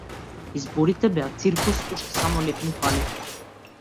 Изборите беа циркус, уште само леб ни фали.